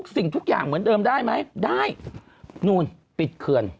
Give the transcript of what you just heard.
สิ่งทุกอย่างเหมือนเดิมได้ไหมได้นู่นปิดเขื่อน